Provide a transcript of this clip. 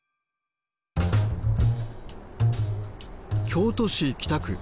京都市北区。